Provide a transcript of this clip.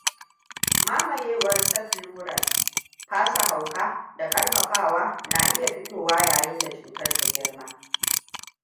Mamayewar subpleural, fasa hauka, da karfafawa na iya fitowa yayinda cutan na girma.